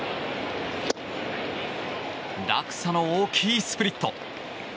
落差の大きいスプリット。